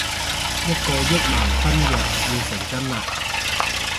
一個億萬婚約要成真喇